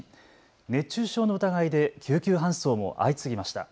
熱中症の疑いで救急搬送も相次ぎました。